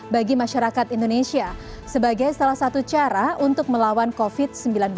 bagi masyarakat indonesia sebagai salah satu cara untuk melawan covid sembilan belas